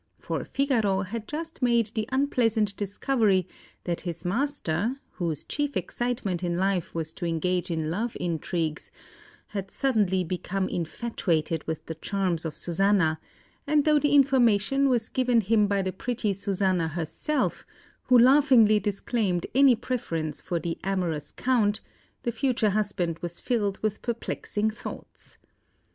For Figaro had just made the unpleasant discovery that his master, whose chief excitement in life was to engage in love intrigues, had suddenly become infatuated with the charms of Susanna, and though the information was given him by the pretty Susanna herself, who laughingly disclaimed any preference for the amorous Count, the future husband was filled with perplexing thoughts.